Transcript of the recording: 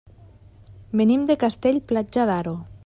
Venim de Castell-Platja d'Aro.